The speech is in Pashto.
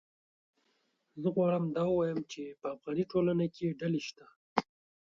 زه غواړم دا ووایم چې په افغاني ټولنه کې ډلې شته